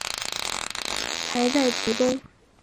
台在其东。